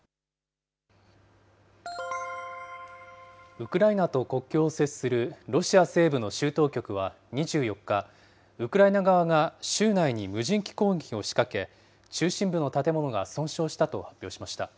ウクライナと国境を接するロシア西部の州当局は２４日、ウクライナ側が州内に無人機攻撃を仕掛け、中心部の建物が損傷したと発表しました。